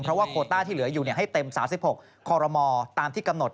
เพราะว่าโคต้าที่เหลืออยู่ให้เต็ม๓๖คอรมอตามที่กำหนด